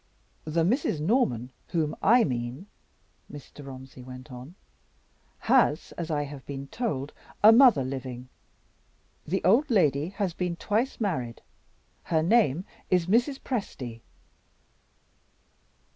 "The Mrs. Norman whom I mean," Mr. Romsey went on, "has, as I have been told, a mother living. The old lady has been twice married. Her name is Mrs. Presty."